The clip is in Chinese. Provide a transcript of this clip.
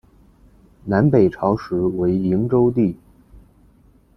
南北朝时为营州地。